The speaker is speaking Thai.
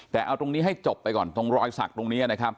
แต่เอาตรงนี้ให้จบไปก่อนตรงรอยสักตรงนี้นะครับ